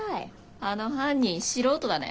あの犯人素人だね。